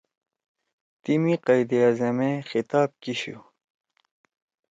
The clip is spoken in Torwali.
ی تیمی قائداعظم ئے خطاب کیِشُو